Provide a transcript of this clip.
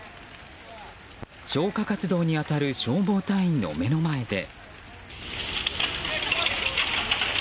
消火活動に当たる消防隊員の目の前で。